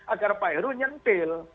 agar pak heru nyentil